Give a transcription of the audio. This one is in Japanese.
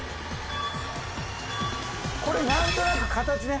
これ何となく形ね。